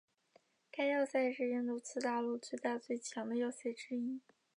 该要塞是印度次大陆最大最强的要塞之一。